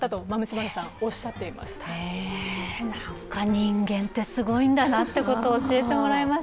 人間ってすごいんだなってことを教えてもらいました。